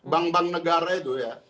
bank bank negara itu ya